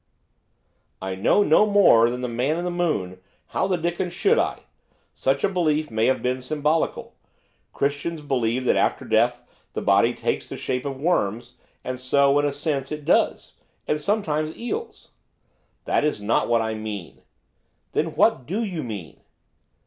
'I know no more than the man in the moon, how the dickens should I? Such a belief may have been symbolical. Christians believe that after death the body takes the shape of worms and so, in a sense, it does, and, sometimes, eels.' 'That is not what I mean.' 'Then what do you mean?